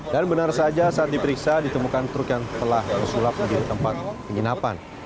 dan benar saja saat diperiksa ditemukan truk yang telah disulap di tempat penginapan